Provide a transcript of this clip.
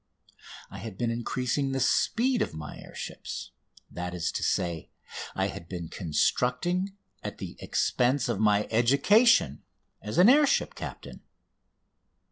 I had been increasing the speed of my air ships that is to say, I had been constructing at the expense of my education as an air ship captain.